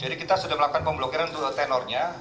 jadi kita sudah melakukan pemblokiran untuk tenornya